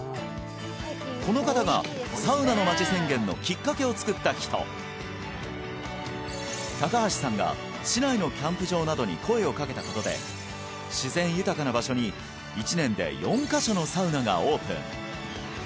この方が「サウナのまち」宣言のきっかけをつくった人高橋さんが市内のキャンプ場などに声を掛けたことで自然豊かな場所に１年で４カ所のサウナがオープン